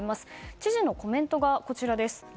知事のコメントがこちらです。